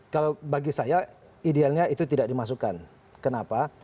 kalau bagi saya idealnya itu tidak dimasukkan kenapa